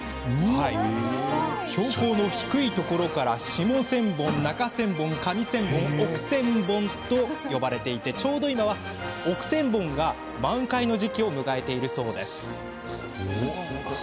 標高の低いところから下千本、中千本、上千本奥千本と呼ばれていてちょうど今は、奥千本が満開の時期を迎えているそうです。